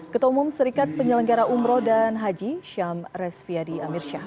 ketua umum serikat penyelenggara umroh dan haji syam resviadi amirsyah